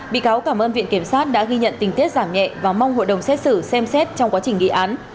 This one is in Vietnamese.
bị cáo cảm ơn viện kiểm sát đã ghi nhận tình tiết giảm nhẹ và mong hội đồng xét xử xem xét trong quá trình nghị án